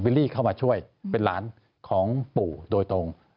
ลี่เข้ามาช่วยเป็นหลานของปู่โดยตรง